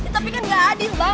tapi kan gak adil bang